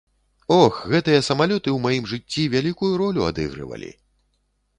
Ох, гэтыя самалёты ў маім жыцці вялікую ролю адыгрывалі.